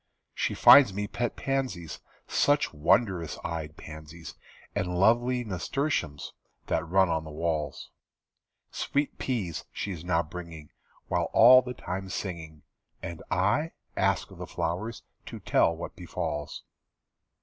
She finds me pet pansies. Such wondrous eyed pansies, And lovely nasturtiums That run on the walls. Sweet peas she's now bringing, While all the time singing. And I? Ask the flowers To tell what befalls.